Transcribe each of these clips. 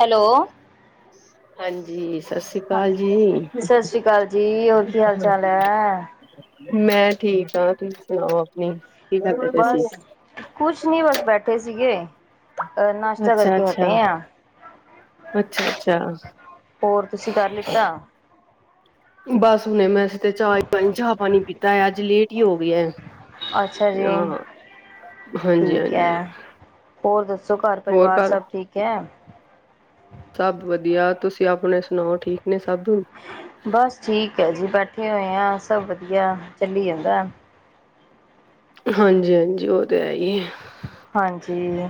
Hello. ਹਾਂਜੀ, ਸਤਿ ਸ਼੍ਰੀ ਹਾਂ ਅਕਾਲ ਜੀ, ਸਤਿ ਸ੍ਰੀ ਅਕਾਲ ਜੀ ਹੋਰ ਕੀ ਹਾਲ ਚਾਲ ਹੈ ਮੈਂ ਠੀਕ ਹਾਂ, ਤੁਸੀਂ ਸੁਣਾਓ ਆਪਣੀ? ਕੀ ਕਰਦੇ ਪਏ ਸੀ ਬਸ ਕੁਛ ਨੀ ਬਸ ਬੈਠੇ ਸੀਗੇ। ਅਹ ਨਾਸ਼ਤਾ ਕਰਕੇ ਹਟੇ ਆ। ਅੱਛਾ-ਅੱਛਾ, ਹੋਰ ਤੁਸੀਂ ਕਰ ਲਿੱਤਾ? ਬਸ ਹੁਣੇ ਵੈਸੇ ਤੇ ਚਾਹਣੀ ਚਾਹ ਪਾਣੀ ਪੀਤਾ ਹੈ, ਅੱਜ ਲੇਟ ਹੀ ਹੋ ਗਿਆ। ਅੱਛਾ ਜੀ ਹਾਂ ਹਾਂਜੀ ਠੀਕ ਹਾਂਜੀ ਹੈ, ਹੋਰ ਦੱਸੋ? ਸੋ ਘਰ ਹੋਰ ਪਰਿਵਾਰ ਘਰ ਸਭ ਠੀਕ ਏ? ਸਭ ਵਧੀਆ ਤੁਸੀਂ, ਆਪਣੇ ਸੁਣਾਓ ਠੀਕ ਨੇਂ ਬਸ ਠੀਕ ਹੈ ਜੀ ਬੈਠੇ ਹੋਏ, ਆ ਸਭ ਵਧੀਆ ਚੱਲੀ ਜਾਂਦਾ। ਹਾਂਜੀ-ਹਾਂਜੀ ਉਹ ਤੇ ਹੈ ਹੀ ਹੈ। ਹਾਂਜੀ,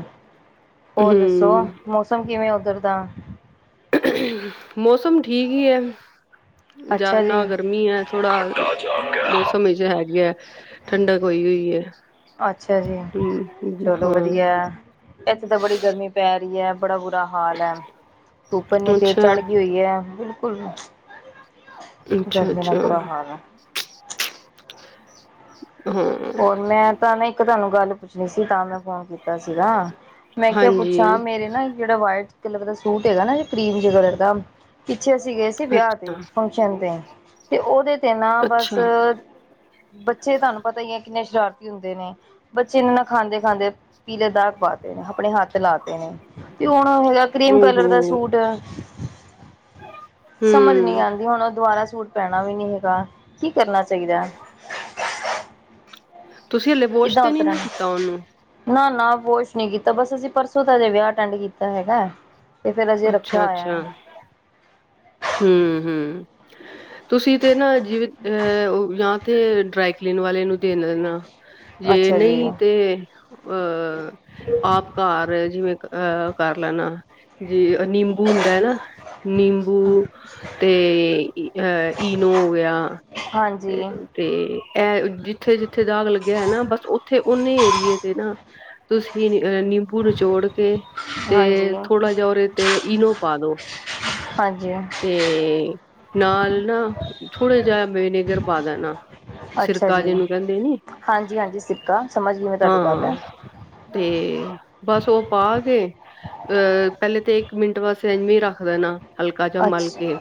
ਹੋਰ ਦੱਸੋ ਹਮ ਮੌਸਮ ਕਿਵੇਂ ਉੱਧਰ ਦਾ? ਮੌਸਮ ਠੀਕ ਹੀ ਐ, ਜਾਂ ਅੱਛਾ ਜੀ ਨਾ ਗਰਮੀ ਹੈ, ਥੋੜਾ ਮੌਸਮ ਵਿੱਚ ਹੈਗੇ ਹੈ। ਠੰਡਕ ਕੋਈ ਹੋਈ ਹੈ। ਅੱਛਾ ਜੀ ਹਮ ਚਲੋ ਹਾਂ ਵਧੀਆ, ਇੱਥੇ ਤਾਂ ਬੜੀ ਗਰਮੀ ਪੈ ਰਹੀ ਹੈ। ਬੜਾ ਬੁਰਾ-ਹਾਲ ਹੈ, ਧੁੱਪ ਐਨੀ ਤੇਜ਼ ਅੱਛਾ ਚੜ੍ਹ ਗਈ ਹੋਈ ਹੈ, ਬਿਲਕੁਲ ਗਰਮੀ ਨਾਲ ਅੱਛਾ-ਅੱਛਾ, ਬੁਰਾ ਹਾਲ ਆ। ਹਾਂ, ਹੋਰ ਮੈਂ ਤਾਂ ਨਾ ਇੱਕ ਤੁਹਾਨੂੰ ਗੱਲ ਪੁੱਛਣੀ ਸੀ, ਤਾਂ ਮੈਂ ਫੋਨ ਕੀਤਾ ਸੀਗਾ। ਮੈਂ ਕਿਹਾ ਪੁੱਛਾਂ ਹਾਂਜੀ, ਮੇਰੇ ਨਾ ਇੱਕ ਜਿਹੜਾ ਵਾਈਟ ਕਲਰ ਦਾ ਸੂਟ ਹੈਗਾ ਨਾ ਪ੍ਰੀਮ ਜੇ ਕਲਰ ਦਾ ਪਿੱਛੇ ਅਸੀਂ ਗਏ ਸੀ, ਵਿਆਹ ਤੇ ਅੱਛਾ, ਫੰਕਸ਼ਨ ਤੇ ਤੇ ਉਹਦੇ ਨਾ ਬਸ ਅੱਛਾ, ਬੱਚੇ ਤੁਹਾਨੂੰ ਪਤਾ ਹੀ ਹੈ ਕਿੰਨੇ ਸ਼ਰਾਰਤੀ ਹੁੰਦੇ ਨੇ, ਬੱਚੇ ਇਹਨਾਂ ਨਾਲ ਖਾਂਦੇ ਮ-ਖਾਂਦੇ ਪੀਲੇ ਦਾਗ ਪਾਤੇ ਨੇ ਆਪਣੇ ਹੱਥ ਲਾਤੇ ਨੇ ਤੇ ਹੁਣ ਹੈਗਾ, ਕਰੀਮ ਕਲਰ ਦਾ ਓਹੋ! ਸੂਟ ਸਮਝ ਨੀ ਹੂੰ, ਆਂਦੀ, ਹੁਣ ਉਹ ਦੁਬਾਰਾ ਸੂਟ ਪੈਣਾ ਵੀ ਨੀ ਹੈਗਾ। ਕੀ ਕਰਨਾ ਚਾਹੀਦਾ ਹੈ? ਤੁਸੀਂ ਹਲੇ ਵੋਸ਼ ਕਿੱਦਾਂ ਤੇ ਨੀ ਉਤਰਨ, ਨਾ ਕੀਤਾ ਉਹਨੂੰ? ਨਾ-ਨਾ। ਵੋਸ਼ ਨੀ ਕੀਤਾ, ਬਸ ਅਸੀਂ ਪਰਸੋਂ ਤਾਂ ਅਜੇ ਵਿਆਹ ਅਟੈਂਡ ਕੀਤਾ ਹੈਗਾ ਏ। ਤੇ ਫਿਰ ਹਜੇ ਰੱਖਿਆ ਹੋਇਆ ਏ। ਹੂੰ-ਹੂੰ, ਤੁਸੀਂ ਤੇ ਨਾ ਜਿਵੇਂ ਅਹ ਉਹ [unintelligible] ਤੇ ਡਰਾਈਕਲੀਨ ਵਾਲੇ ਨੂੰ ਦੇਣ ਦੇਣਾ। ਹੈ ਜੇ ਅੱਛਾ ਜੀ ਨਈ ਤੇ ਅਹ ਆਪ ਕਾਰ ਜਿਵੇਂ ਕ ਅਹ ਕਰ ਲੈਣਾ, ਜੇ ਨੀਂਬੂ ਹੁੰਦਾ ਏ ਨਾ, ਨੀਂ ਹੂੰ ਤੇ ਅਹ ਈਨੋ ਹੋ ਗਿਆ। ਹਾਂਜੀ ਤੇ-ਤੇ ਇਹ ਜਿੱਥੇ-ਜਿੱਥੇ ਦਾਗ ਲੱਗਿਆ ਹੈ ਨਾ ਬਸ ਉੱਥੇ ਉਹਨੇ ਏਰੀਏ ਤੇ ਨਾ [inaudible] ਅਹ ਨਿੰਬੂ ਨਚੋੜ ਕੇ ਤੇ ਹਾਂਜੀ ਥੋੜਾ ਜੇਹਾ ਔਰੇ ਤੇ ਇਨੋ ਪਾ ਦੋ। ਹਾਂਜੀ ਤੇ ਨਾਲ ਨਾ, ਥੋੜਾ ਜਿ ਜਾਂ ਵਿਨੇਗਰ ਪਾ ਦੇਣਾ। ਅੱਛਾ ਸਿਰਕਾ ਜੀ ਜਿਹਨੂੰ ਕਹਿੰਦੇ ਨੀ। ਹਾਂਜੀ ਹਾਂਜੀ ਸਿੱਕਾ ਸਮਝ ਗਈ ਮੈਂ ਤੁਹਾਡੀ ਗੱਲ ਹਾਂ, ਤੇ ਬਸ ਉਹ ਪਾ ਕੇ ਅ ਪਹਿਲੇ ਤੇ ਇੱਕ ਮਿੰਟ ਵਾਸੇ ਇਵੇ ਹੀ ਰੱਖ ਦੇਨਾ, ਹਲਕਾ ਜਾਂ ਮਲ ਕੇ। ਅੱਛਾ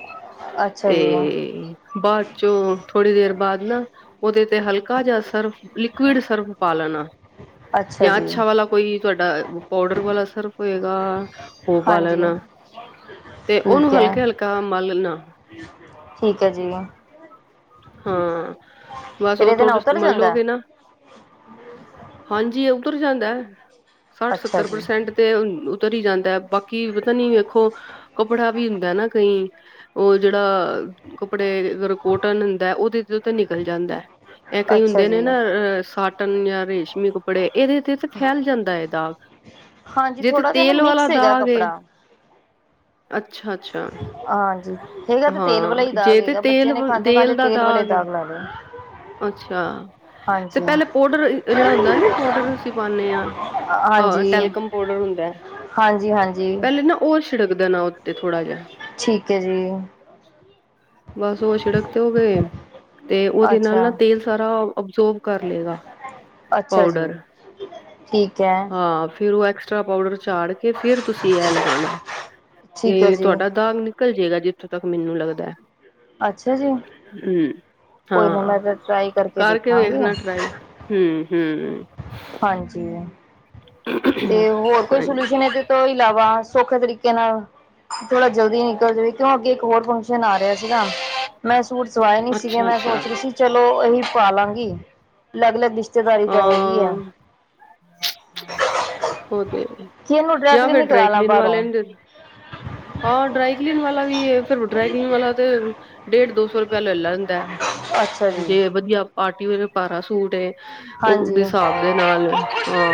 ਅੱਛਾ ਜੀ ਤੇ ਬਾਅਦ ਚੋਂ ਥੋੜ੍ਹੀ ਦੇਰ ਬਾਅਦ ਨਾ ਉਹਦੇ ਤੇ ਹਲਕਾ ਜਿਹਾ ਸਰਫ, ਲਿਕਵੀਡ ਸਰਫ ਪਾ ਲੇਣਾ। ਜਾਂ ਅੱਛਾ ਵਾਲਾ ਕੋਈ ਤੁਹਾਡਾ, ਪਾਊਡਰ ਵਾਲਾ ਸਰਫ ਹੋਏਗਾ। ਹੋ ਪਾ ਹਾਂਜੀ ਲੇਨਾ। ਉਹਨੂੰ ਠੀਕ ਹੈ ਹਲਕੇ ਹਲਕਾ ਮਲਣਾ। ਠੀਕ ਹੈ ਜੀ ਹਾਂ, ਬਸ ਫਿਰ ਉਹ ਇਹਦੇ ਨਾਲ ਥੋੜ, ਉਤਰ ਜਾਂਦਾ ਮੰਲੋਗੇ ਨਾ ਹਾਂਜੀ ਉੱਤਰ ਜਾਂਦਾ ਹੈ, ਸੱਠ ਅੱਛਾ ਸੱਤਰ ਜੀ ਪ੍ਰਸੈਂਟ ਤੇ ਉਤਰ ਹੀ ਜਾਂਦਾ ਹੈ ਬਾਕੀ ਪਤਾ ਨੀ ਵੇਖੋ ਕੱਪੜਾ ਵੀ ਹੁੰਦਾ ਨਾ ਕਈ, ਉਹ ਜਿਹੜਾ [unintelligible] ਕੱਪੜੇ ਅਗਰ ਕੋਟਨ ਹੁੰਦਾ ਹੈ, ਉਹਦੇ ਤੇ ਤੇ ਨਿਕਲ ਜਾਂਦਾ ਹੈ। ਇਹ ਕਈ ਅੱਛਾ ਹੁੰਦੇ ਨੇ ਨਾ ਜੀ ਅਹ ਸਾਟ ਕਟਨ ਯਾ ਰੇਸ਼ਮੀ ਕੱਪੜੇ, ਇਹਦੇ ਤੇ ਫਿਰ ਫੈਲ ਜਾਂਦਾ ਹੈ ਦਾਗ। ਹਾਂਜੀ ਜੇ ਤੇ ਥੋੜਾ ਜਿਹਾ ਨਾ ਤੇਲ ਵਾਲਾ ਮਿਕਸ ਹੈਗਾ ਦਾਗ ਏ ਕੱਪੜਾ ਅੱਛਾ ਅੱਛਾ ਹਾਂਜੀ। ਹੈਗਾ ਤੇ ਤੇਲ ਵਲਾ ਹਾਂ ਹੀ ਦਾਗ ਜੇ ਤੇ ਹੈਗਾ। ਬੱਚੇ ਤੇਲ ਨੇ ਵ ਖਾਂਦੇ ਖਾਂਦੇ ਦਾ ਤੇਲ ਕਿਲ ਵਾਲੇ ਏ ਦਾਗ ਲਾਲੇ। ਅੱਛਾ। ਤੇ ਪਹਿਲੇ ਪਾਊਡਰ ਇ ਇ ਜਿਹੜਾ ਹੁੰਦਾ ਨੀ, ਪਾਊਡਰ ਅਸੀਂ ਪਾਉਦੇ ਹਾਂ। ਹਾ ਟੈਲਕਮ ਪਾਊਡਰ ਹੁੰਦਾ ਹੈ। ਹਾਂਜੀ-ਹਾਂਜੀ। ਚਿੜਕ ਦੇਨਾ ਉੱਤੇ ਥੋੜਾ ਜਿਹਾ। ਹੈ ਜੀ ਬਸ ਉਹ ਸ਼ਿੜਕ ਤੇ ਔ ਗਏ। ਤੇ ਉਹਦੇ ਨਾਲ ਅੱਛਾ ਨਾ ਤੇਲ ਸਾਰਾ ਅਬਜੋਰਬ ਕਰ ਲੇਗਾ। ਅੱਛਾ ਜੀ। ਠੀਕ ਹੈ ਹਾਂ ਫੇਰ ਉਹ ਐਕ ਚਾ ਪਾਊਡਰ ਚਾੜ ਕੇ ਫਿਰ ਤੁਸੀਂ ਇਹ ਲਗਾਣਾ, ਠੀਕ ਹੈ ਤੇ ਜੀ ਤੁਹਾਡਾ ਦਾਗ ਨਿਕਲ ਜੇਗਾ। ਜ ਇੱਥੋਂ ਤੱਕ ਮੈਨੂੰ ਲੱਗਦਾ ਹੈ ਅੱਛਾ ਜੀ। ਕੋਈ ਨਾ, ਹਾਂ ਮੈਂ ਫਿਰ ਟਰਾਈ ਕਰਕੇ ਦੇਖਾਂਗੀ। ਵੇਖਣਾ ਟਰਾਈ ਹੂੰ ਹੂੰ ਹਾਂਜੀ। ਤੇ ਹੋਰ ਕੋਈ ਹਾਂਜੀ ਸੋਲਿਊਸ਼ਨ ਇਹਦੇ ਤੋਂ ਇਲਾਵਾ, ਸੌਖੇ ਤਰੀਕੇ ਨਾਲ। ਥੋੜਾ ਜਲਦੀ ਨਿਕਲ ਜਾਵੇ। ਕਿਉਂ ਅੱਗੇ ਇੱਕ ਹੋਰ ਫੰਕਸ਼ਨ ਆ ਰਿਹਾ ਸੀਗਾ, ਮੈਂ ਸੂਟ ਸਵਾਏ ਨੀ ਸੀਗੇ। ਅੱਛਾ ਮੈਂ ਅੱਛਾ ਸੋਚ ਰਹੀ ਸੀ ਚਲੋ ਅਹੀ ਪਾਾਲਾਂਗੀ, ਅਲੱਗ ਅਲੱਗ ਚੇਗਾਰੀ ਤਾਂ ਹੈਗੀ ਆ। ਹਾਂ ਉਹ ਤੇ ਹੈ ਈ, ਕੀ ਇਹਨੂੰ ਯਾ ਡਾਇਰੈਕਟਲੀ ਫਿਰ ਨੀ ਕਰਾ ਲਾ ਡ੍ਰੈਕਲੀਨ ਵਾਲੇ ਬਾਹਰੋਂ ਨੂੰ ਦੇ ਹਾਂ ਡਰਾਈਕਲੀਨ ਵਾਲਾ ਵੀ ਹੈ, ਫਿਰ ਡਰਾਕਲੀਨ ਵਾਲਾ ਤੇ ਡੇਢ ਦੋ ਸੌ [inaudible] ਲੈ ਲੈਂਦਾ ਅੱਛਾ ਜੀ ਜੇ ਵਧੀਆ ਪਾਰਟੀ ਵੀਅਰ ਪਾਰਾ ਸੂਟ ਏ ਉਹਦੇ ਹਾਂਜੀ ਹਿਸਾਬ ਦੇ ਨਾਲ ਹਾਂ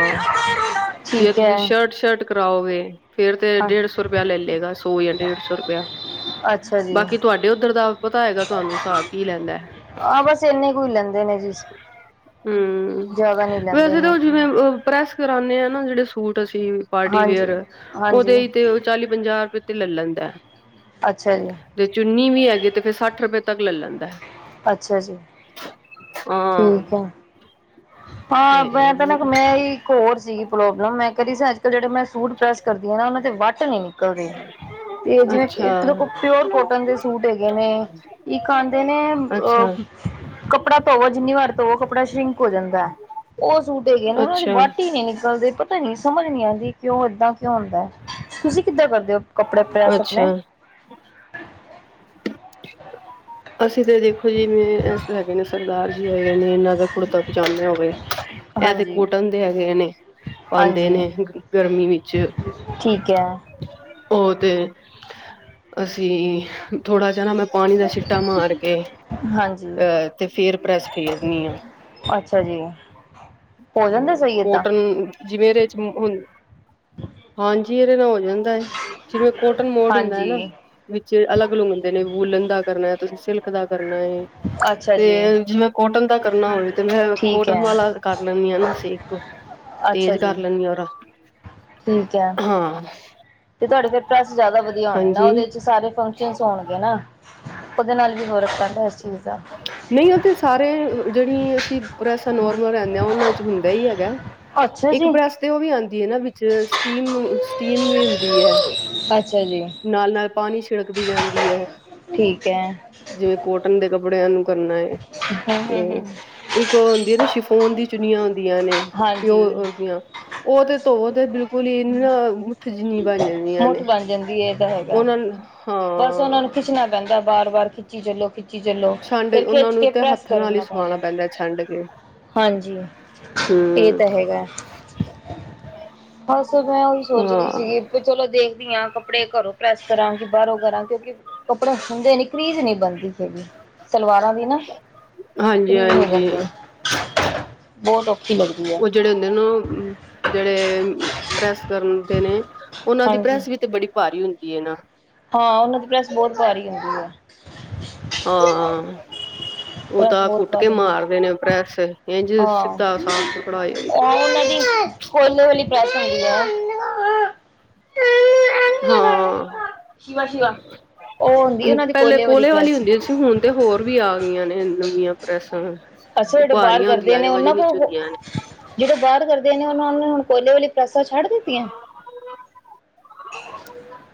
ਜੇ ਠੀਕ ਹੈ ਤੁਸੀਂ ਸ਼ਰਟ-ਸ਼ਰਟ ਕਰਾਓਗੇ ਫੇਰ ਤੇ ਹਾਂ ਡੇਢ ਸੌ ਰੁਪਇਆ ਲੈ ਲਏਗਾ, ਸੌ ਜਾਂ ਡੇਢ ਸੌ ਰੁਪੀਆ ਅੱਛਾ ਜੀ ਬਾਕੀ ਤੁਹਾਡੇ ਉੱਧਰ ਦਾ ਪਤਾ ਹੈਗਾ, ਤੁਹਾਨੂੰ ਹਿਸਾਬ ਕੀ ਲੈਂਦਾ ਹੈ ਆਹ ਬਸ ਇੰਨੇ ਕੁ ਹੀ ਲੈਂਦੇ ਨੇ ਜੀ ਹੂੰ, ਜ਼ਿਆਦਾ ਨਹੀਂ ਲੈਂਦੇ ਵੈਸੇ ਇੰਨੇ ਤਾਂ ਕੁ ਜਿਵੇਂ ਕਰਾਨੇ ਆ ਨਾ ਜਿਹੜੇ ਸੂਟ ਅਸੀਂ ਪਾਰਟੀ ਹਾਂਜੀ ਵੇਅਰ, ਹਾਂਜੀ ਉਹਦੇ ਹੀ ਤੇ ਚਾਲੀ ਪੰਜਾਹ ਰੁਪਏ ਤੇ ਲੈ ਲੈਂਦਾ ਐ, ਅੱਛਾ ਜੀ ਜੇ ਚੁੰਨੀ ਵੀ ਹੈਗੇ ਤੇ, ਫੇਰ ਸੱਠ ਰੁਪਏ ਤੱਕ ਲੈ ਲੈਂਦਾ ਹੈ। ਅੱਛਾ ਜੀ। ਹਾਂ, ਠੀਕ ਹੈ ਹਾਂ ਤੇ ਮੈਂ ਤਾਂ ਨਾ ਮੈਂ ਹੀ ਇੱਕ ਹੋਰ ਸੀਗੀ, ਪ੍ਰੋਬਲਮ ਮੈਂ ਕਹਿ ਰੀ ਸੀ ਅੱਜ ਕੱਲ ਜਿਹੜੇ ਮੈਂ ਸੂਟ ਪ੍ਰੈਸ ਕਰਦੀ ਆ ਨਾ, ਉਹਨਾਂ ਤੇ ਵੱਟ ਨੀ ਨਿਕਲਦੇ, ਤੇ ਜਿਵੇਂ ਅੱਛਾ ਇੱਕ ਪਿਓਰ ਕੋਟਨ ਦੇ ਸੂਟ ਹੈਗੇ ਨੇ ਇੱਕ ਆਦੇ ਨੇ ਅ ਅੱਛਾ ਕੱਪੜਾ ਧੋਵੋ ਜਿੰਨੀ ਵਾਰ ਧੋ ਕੱਪੜਾ ਸ਼ਿੰਕ ਹੋ ਜਾਂਦਾ, ਉਹ ਸੂਟ ਹੈਗੇ ਨੇ ਉਹਨਾਂ ਦੀ ਅੱਛਾ ਵੱਟ ਹੀ ਨਹੀਂ ਗੱਲ ਪਤਾ ਨੀ, ਸਮਝ ਨੀ ਆਦੀ ਕਿਉਂ, ਐਦਾਂ ਕਿਉਂ ਹੁੰਦਾ ਹੈ, ਤੁਸੀਂ ਕਿੱਦਾਂ ਕਰਦੇ ਕੱਪੜੇ ਪਾਏ ਸੀ ਆਪਣੇ, ਅੱਛਾ [unintelligible] [unintelligible] ਅਸੀਂ ਤਾਂ ਦੇਖੋ ਜੀਵੇਂ ਹੈਗੇ, ਨੇ ਸਰਦਾਰ ਜੀ ਹੈਗੇ ਨੇ ਇਹਨਾਂ ਦਾ ਕੁੜਤਾ ਪਹੁੰਚਾਦੇ ਹੋਵੇ ਇਹ ਤੇ ਹਾਂਜੀ ਕੋਟਨ ਦੇ ਹੈਗੇ ਨੇ ਪਾਦੇ ਹਾਂਜੀ ਨੇ ਗਰਮੀ ਵਿੱਚ ਠੀਕ ਹੈ ਉਹ ਤੇ ਅਸੀਂ ਥੋੜਾ ਜੀ, ਨਾ ਮੈਂ ਪਾਣੀ ਦਾ ਛਿੱ ਟਾ ਮਾਰ ਕੇ ਹਾਂਜੀ ਅਹ ਤੇ ਫੇਰ ਪ੍ਰੈਸ ਖੇਦਨੀ ਆ। ਅੱਛਾ ਜੀ ਹੋ ਜਾਂਦਾ ਸਹੀ ਏਦਾਂ ਕੋਟਨ ਜਿਵੇਂ ਇਹਦੇ ਚ ਹ ਹੂ ਹਾਂਜੀ ਇਹਦੇ ਨਾਲ ਜਾਂਦਾ ਹੈ। ਜਿਵੇਂ ਕੋਟਨ ਮੋਡ ਹੁੰਦਾ ਹੈ। ਨਾ ਹਾਂਜੀ ਵਿੱਚ ਅਲੱਗ- ਅਲੱਗ ਹੁੰਦੇ ਨੇ। ਵੁਲਣ ਦਾ ਕਰਨਾ ਤੁਸੀਂ ਸਿਲਕ ਦਾ ਕਰਨਾ ਹੈ ਅੱਛਾ ਜੀ ਤੇ,, ਜਿਵੇਂ ਕੋਟਨ ਦਾ ਕਰਨਾ ਹੋਵੇ ਤੇ ਮੈਂ ਠੀਕ ਕੋਟਨ ਹੈ ਵਾਲਾ ਕਰ ਲੈਂਦੀ ਹਾਂ ਨਾ ਸੇਕ ਅੱਛਾ ਤੇਜ ਜੀ ਕਰ ਲੈਂਦੀ ਹਾਂ ਰ ਠੀਕ ਹੈ ਹਾਂ ਤੇ ਤੁਹਾਡੇ ਫੇਰ ਪ੍ਰੈਸ ਜ਼ਿਆਦਾ ਵਧੀਆ ਹੋਣੇ ਨਾ ਹਾਂਜੀ ਉਹਦੇ ਚ ਸਾਰੇ ਫੰਕਸ਼ਨ ਹੋਣਗੇ ਨਾ ਉਹਦੇ ਨਾਲ ਵੀ ਹੋਰ ਪਾਂਦਾ ਇਸ ਚੀਜ਼ ਦਾ ਨਹੀਂ ਉਹ ਤੇ ਸਾਰੇ,, ਜਿਹੜੀਆਂ ਅਸੀਂ ਪ੍ਰੈਸਾਂ ਨੋਰਮਲ ਰਹਿੰਦੇ ਹ ਉਹਨਾਂ ' ਹੁੰਦਾ ਹੀ ਹੈਗਾ ਅੱਛਾ ਇੱਕ ਜੀ ਪ੍ਰੈਸ ਤੇ ਉਹ ਵੀ ਆਉਂਦੀ ਹੈ। ਨਾ ਸਟੀਮ,, ਸਟੀਮ ਵੀ ਹੁੰਦੀ ਹੈ। ਅੱਛਾ ਜੀ ਨਾਲ-ਨਾਲ ਪਾਣੀ ਛਿੜਕਦੀ ਜਾਂਦੀ ਹੈ, ਠੀਕ ਹੈ ਜਿਵੇਂ ਕੋਟਨ ਦੇ ਕੱਪੜਿਆਂ ਨੂੰ। ਕਰਨਾ ਹੈ। ਤੇ ਇੱਕ ਉਹ ਹੁੰਦੀ ਹੈ ਨਾ, ਸ਼ਿਫੋਨ ਦੀ ਚੁਨੀਆਂ ਹੁੰਦੀਆਂ ਨੇ ਹਾਂਜੀ ਪਿਓ ਦੀਆਂ ਉਹ ਤੇ ਧੋ ਤੇ ਬਿਲਕੁਲ ਪੁਲੀ ਨਾ ਮੁੱਠ ਜਿੰਨੀ ਬਣ ਜਾਂਦੀਆਂ ਨੇ ਮੁੱਠ ਬਣ ਜਾਂਦੀ ਹੈ ਇਹ ਤਾਂ ਹੈਗਾ ਉਹਨਾਂ ਬਸ ਉਹਨਾਂ ਨੂੰ ਹਾਂ ਖਿੱਚਣਾ ਪੈਂਦਾ, ਵਾਰ- ਵਾਰ ਖਿੱਚੀ ਚਲੋ, ਖਿੱਚ ਚ ਜੱਲੋਂ ਛੰਡ ਫਿਰ ਉਹਨਾਂ ਖਿੱਚ ਨੂੰ ਕੇ ਤੇ ਪ੍ਰੈੱਸ ਹੱਥ ਨਾਲ ਹੀ ਕਰੀਨਾ ਸੁਆਣਾ ਪੈਂਦਾ। ਛੰਡ ਕੇ ਹਾਂਜੀ, ਇਹ ਹੂੰ ਤਾਂ ਹੈਗਾ। ਬਸ, ਮੈਂ ਉਹੀ ਸੋਚ ਰਹੀ ਹਾਂ ਸੀਗੀ ਚਲੋ ਦੇਖਦੀ ਕੱਪੜੇ ਘਰੋਂ ਪ੍ਰੈਸ ਕਰਾਂ ਕਿ ਬਾਹਰੋਂ ਕਰਾਂ ਕਿਉਂਕਿ ਕੱਪੜੇ ਹੁੰਦੇ ਨੀ ਕਰੀਜ ਨੀ ਬਣਦੀ। ਸਲਵਾਰਾਂ ਵੀ ਨਾ ਹਾਂਜੀ ਖਰੀਦ ਹੋ ਹਾਂਜੀ ਜਾਂਣਦੀ ਏ। ਬਹੁਤ ਉਹ ਜਿਹੜੇ ਹੁੰਦੇ ਨਾ, ਜਿਹੜੇ ਪ੍ਰੈਸ ਕਰਨ ਦੇ ਨੇ ਉਹਨਾਂ ਦੀ ਹਾਂਜੀ ਪ੍ਰੈਸ ਵੀ ਤੇ ਬੜੀ ਭਾਰੀ ਹੁੰਦੀ ਹੈ ਨਾ। ਹਾਂ, ਉਹਨਾਂ ਦੀ ਪ੍ਰੈਸ ਬਹੁਤ ਭਾਰੀ ਹੁੰਦੀ ਹੈ। ਹਾਂ ਉਹ ਪ੍ਰੈਸ ਤਾਂ ਬਹੁਤ ਕੁੱਟ ਕੇ ਭਾਰੀ ਹੁੰਦੀ ਮਾਰਦੇ ਨੇ ਪ੍ਰੈਸ। ਇੰਝ ਹਾਂ ਸਿੱਧਾ ਸਾਫ਼ ਕੱਪੜਾ ਹੋ ਜਾਂਦਾ ਉਹ ਉਹਨਾਂ ਦੀ ਪ੍ਰੈਸ ਹੁੰਦੀ ਆ ਹਾਂ ਸ਼ਿਵਾ ਸ਼ਿਵਾ ਉਹ ਹੁੰਦੀ ਉਹਨਾਂ ਦੀ ਪਹਿਲੇ ਕੋਲੇ ਵਾਲੀ ਪ੍ਰੈਸ ਹੁੰਦੀ ਸੀ। ਹੁਣ ਤੇ ਹੋਰ ਵੀ ਆ ਗਈਆਂ ਨੇ। ਨਵੀਆਂ ਪ੍ਰੈਸਾਂ। ਅਸੀਂ ਸਾਡੇ ਬਾਹਰ ਭਾਰੀਆਂ ਕਰਦੇ ਹੁੰਦੀਆਂ ਨੇ ਉਹਨਾਂ ਵਜਨ ਵਿਚ ਕੋਲ ਹੁੰਦੀਆਂ ਨੇ ਜਿਹੜੇ ਬਾਹਰ ਕਰਦੇ ਨੇ ਉਹ ਨੇ ਹੁਣ ਕੋਲੇ ਵਾਲੀਆਂ ਪ੍ਰੈੱਸਾਂ ਛੱਡ ਦਿੱਤੀਆਂ। [inaudible]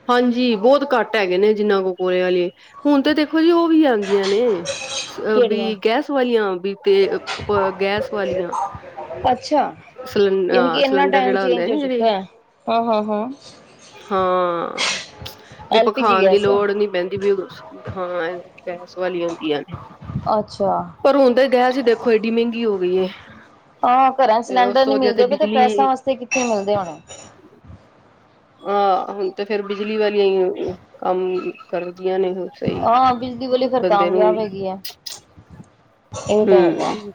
ਹਾਂਜੀ ਬਹੁਤ ਘੱਟ ਹੈਗੇ ਨੇ ਜਿੰਨਾ ਕੋ ਕੋਲੇ ਵਾਲੀ। ਹੁਣ ਤੇ ਦੇਖੋ ਜੀ ਉਹ ਵੀ ਆਉਂਦੀਆਂ ਨੇ ਕਿਹੜੀਆਂ ਵੀ ਗੈਸ ਵਾਲੀਆਂ ਵੀ, ਤੇ ਗੈਸ ਵਾਲੀਆਂ। ਅੱਛਾ ਸਿਲੰ ਯਾਨੀ ਕਿ ਇੰਨਾ ਸਿਲੰਡਰ ਟਾਈਮ ਜਿਹੜਾ ਹੁੰਦਾ ਚੇਂਜ ਹੋ ਨਾ ਚੁੱਕਾ ਜਿਹੜੀ ਹੈ। ਹਾਂ, ਹਾਂ ਹਾਂ। ਹਾਂ। ਵੀ ਐਲ ਪੀ ਜੀ ਪਖਾਨ ਦੀ ਗੈਸ ਲੋੜ ਨੀ ਪੈਂਦੀ ਵੀ ਹਾਂ। ਗੈਸ ਵਾਲੀਆਂ ਹੁੰਦੀਆਂ ਨੇ ਅੱਛਾ ।ਪਰ ਹੁਣ ਤਾਂ ਗੈਸ ਦੇਖੋ ਏਡੀ ਮਹਿੰਗੀ ਹੋ ਗਈ ਏ। ਹਾਂ ਘਰਾਂ ਤੇ ਉਸ ਸਿਲੰਡਰ ਤੋਂ ਨੀ ਵਧੀਆ ਮਿਲਦੇ ਪਏ ਤੇ ਬਿਜਲੀ ਪ੍ਰੈਸਾਂ ਵਾਸਤੇ ਕਿੱਥੇ ਮਿਲਦੇ ਹੋਣੇ । ਹਾਂ ਹੁਣ ਤੇ ਫੇਰ ਬਿਜਲੀ ਵਾਲੀਆਂ ਹੀ ਕੰਮ ਕਰ ਹਾਂ ਬਿਜਲੀ ਵਾਲੀ ਫੇਰ ਨੂੰ ਕਾਮਯਾਬ ਹੈਗੀ ਆ। ਇਹ ਤਾਂ ਹੈਗਾ। ਹਮ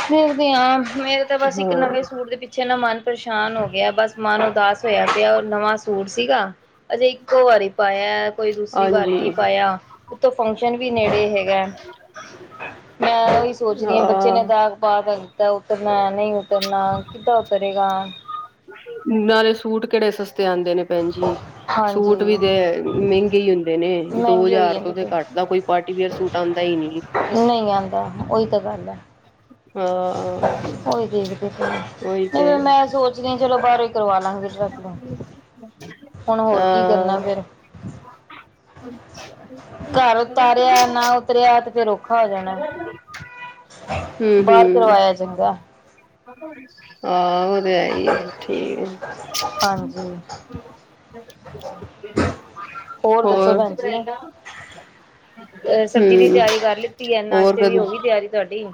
[unintelligible] ਹਾਂ ਮੇਰੇ ਤਾਂ ਬਸ ਇੱਕ ਹਾਂ ਨਵੇਂ ਸੂਟ ਦੇ ਪਿੱਛੇ ਨਾ ਮਨ ਪਰੇਸ਼ਾਨ ਹੋ ਗਿਆ ਬਸ ਮਨ ਉਦਾਸ ਹੋਇਆ ਪਿਆ। ਉਹ ਨਵਾਂ ਸੂਟ ਸੀਗਾ। ਅਜੇ ਇੱਕੋ ਵਾਰੀ ਪਾਇਆ ਕੋਈ ਦੂਸਰੀ ਵਾਰੀ ਹਾਂਜੀ ਨਹੀਂ ਪਾਇਆ ।ਉੱਤੋਂ ਫੰਕਸ਼ਨ ਵੀ ਨੇੜੇ ਹੈਗਾ। ਮੈਂ ਉਹੀ ਸੋਚ ਰਹੀ ਹਾਂ ਬੱਚੇ ਨੇ ਦਾਗ਼ ਪਾਤਾ ਉਤਰਨਾ ਨਹੀਂ ਉਤਰਨਾ ਕਿੱਦਾਂ ਉਤਰੇਗਾ ਨਾਲੇ ਸੂਟ ਕਿਹੜੇ ਸਸਤੇ ਆਉਂਦੇ ਨੇ ਭੈਣ ਜੀ। ਹਾਂਜੀ ਸੂਟ ਵੀ ਤੇ ਮਹਿੰਗੇ ਹੀ ਹੁੰਦੇ ਨੇ ।ਦੋ ਮਹਿੰਗੀ ਹੋਈ ਹਜ਼ਾਰ ਤੋਂ ਜਾਂਦੇ ਤੇ ਘੱਟ ਦਾ ਕੋਈ ਪਾਰਟੀ ਵੇਅਰ ਸੂਟ ਆਉਂਦਾ। ਹੀ ਨਹੀਂ ਨਹੀਂ ਆਉਂਦਾ। ਉਹ ਹੀ ਤਾਂ ਗੱਲ ਹੈ। ਹਾਂ ਉਹੀ ਦੇਖ ਦੀ ਪਈ ਆ ਉਹੀ ਤੇ ਨਹੀਂ ਮੈਂ ਸੋਚਦੀ ਹਾਂ ਚਲੋ ਬਾਹਰੋਂ ਹੀ ਕਰਵਾ ਲਾਂਗੇ। [unintelligible] ਹੁਣ ਹੋਰ ਕੀ ਕਰਨਾ ਹਾਂ ਫੇਰ। ਘਰ ਉਤਾਰਿਆ ਨਾ ਉਤਰਿਆ ਐ ਤੇ ਫੇਰ ਔਖਾ ਹੋ ਜਾਣਾ ਫੇਰ। ਹਮ। ਬਾਹਰ ਹਮ ਕਰਵਾਇਆ ਚੰਗਾ। ਹਾਂ ਉਹ ਤੇ ਹੈ ਹੀ ਏ ਠੀਕ ਹਾਂਜੀ ਹੋਰ। ਅ ਸਬਜ਼ੀ ਦੀ ਹਮ ਤਿਆਰੀ ਕਰ ਲਿੱਤੀ। ਹੋਰ ਤ [unintelligible] ਵੀ ਕਦੋਂ ਹੋ ਗਈ ਤਿਆਰੀ ਤੁਹਾਡੀ।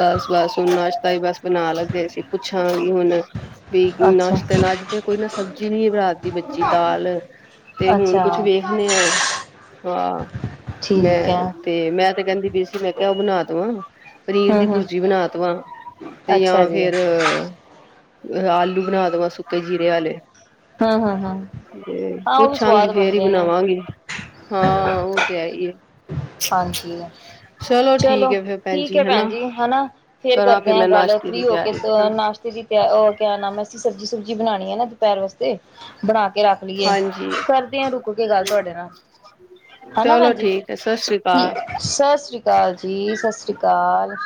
ਬਸ ਬਸ ਹੁਣ ਨਾਸ਼ਤਾ ਵੀ ਬਸ ਬਣਾ ਲੱਗੇ ਸੀ। ਪੁੱਛਾਂ ਗੀ ਹੁਣ। ਬੀ ਅੱਛਾ ਨਾਸ਼ਤੇ ਨਾ ਅੱਜ ਤੇ ਕੋਈ ਨਾ ਸਬਜ਼ੀ ਰਾਤ ਦੀ ਬੱਚੀ ਦਾਲ ਤੇ ਹੁਣ ਕੁਛ ਵੇਖ ਅੱਛਾ ਨੇ ਆ। ਠੀਕ ਹੈ ਮੈਂ ਤੇ ਮੈਂ ਤੇ ਕਹਿੰਦੀ ਪਈ ਸੀ ਮੈਂ ਕਿਹਾ ਉਹ ਬਣਾ ਦਵਾ। ਪਨੀਰ ਹੂੰ ਦੀ ਹੂੰ ਪੁਰਜੀ ਬਣਾ ਦਵਾ ਤੇ ਅੱਛਾ ਜਾਂ ਜੀ ਫੇਰ ਆਲੂ ਬਣਾ ਦਵਾਂ ਸੁੱਕੇ ਜੀਰੇ ਆਲੇ। ਹੂੰ ਹੂੰ ਹੂੰ ਤੇ ਹਾਂ ਉਹ ਵੀ ਪੁੱਛਾਂਗੀ ਸਵਾਦ ਫੇਰ ਹੀ ਬਣਦੇ ਨੇ ਬਣਾਵਾਂਗੀ। ਹਾਂ ਉਹ ਤੇ ਹੈ ਹੀ ਐ । ਹਾਂਜੀ ਚਲੋ ਠੀਕ। ਠੀਕ ਹੈ ਭੈਣ ਜੀ ਹਨਾ ਫੇਰ ਕਰਾਂ ਕਰਦੇ ਹ ਮੈਂ ਗੱਲ ਨਾਸ਼ਤੇ ਫ੍ਰਰੀ ਦੀ ਹੋ ਕੇ। ਤਿਆਰੀ ਨਾਸ਼ਤੇ ਦੀ ਤਿਆਰੀ ਉਹ ਕਿਆ ਨਾਮ ਮੈਂ ਅਸੀਂ ਸਬਜ਼ੀ ਸੁਬਜੀ ਬਣਾਉਣੀ ਆ ਨਾ ਦੁਪਹਿਰ ਵਾਸਤੇ। ਬਣਾ ਕੇ ਰੱਖ ਲਈਏ। ਹਾਂਜੀ ਕਰਦੇ ਹ ਰੁਕ ਕੇ ਗੱਲ ਤੁਹਾਡੇ ਨਾਲ। ਹਨਾ ਚਲੋ ਭੈਣ ਜੀ ਠੀਕ ਹੈ ਸਤਿ ਸ਼੍ਰੀ ਅਕਾਲ। ਸਤਿ ਸ੍ਰੀ ਅਕਾਲ ਜੀ ।ਸਤਿ ਸ਼੍ਰੀ ਅਕਾਲ।